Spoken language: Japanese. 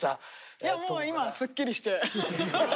いやもう今はすっきりして。